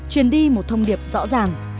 truyền đi một thông điệp rõ ràng